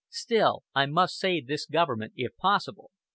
Still, I must save this government if possible.